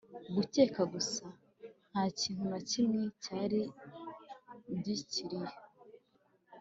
gukeka gusa; nta kintu na kimwe cyari gikiriho